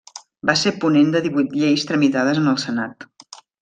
Va ser ponent de divuit lleis tramitades en el Senat.